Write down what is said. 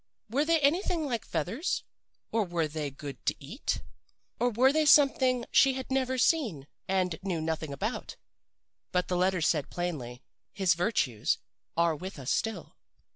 Were they anything like feathers, or were they good to eat, or were they something she had never seen and knew nothing about? But the letters said plainly, 'his virtues are with us still.